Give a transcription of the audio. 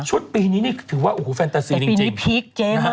ชุดปีนี้นี้ถือว่าฟันเตอร์ซีจริง